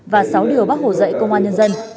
và sáu điều bác hồ dạy công an nhân dân